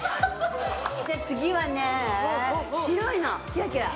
じゃあ次はね白いのキラキラ！